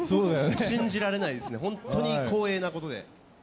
信じられないですね、本当に光栄なことで。